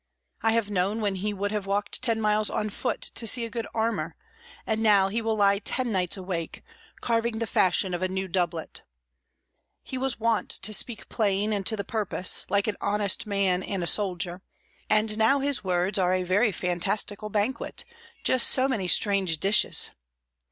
I have known when he would have walked ten miles on foot to see a good armour, and now will he lie ten nights awake, carving the fashion of a new doublet. He was wont to speak plain and to the purpose, like an honest man and a soldier; and now his words are a very fantastical banquet, just so many strange dishes.